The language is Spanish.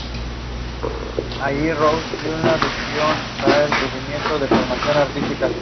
El hermano de Douglas, Bayard fue un destacado abogado y político.